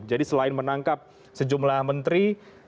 jadi selain menangkap sejumlah menteri